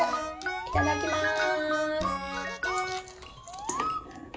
いただきます。